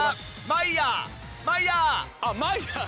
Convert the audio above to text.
マイヤー！